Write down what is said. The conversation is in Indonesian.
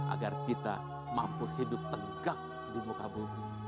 agar kita mampu hidup tegak di muka bumi